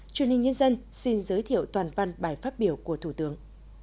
truyền hình nhân dân xin giới thiệu toàn văn bài phát biểu của thủ tướng